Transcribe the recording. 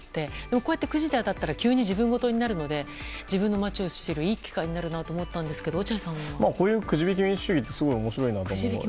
こうやってくじで当たったら急に自分事になるので自分の街を知るいい機会になると思ったんですけどこういうくじ引き民主主義ってすごい面白いなと思って。